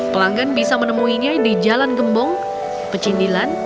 pelanggan bisa menemuinya di jalan gembong pecindilan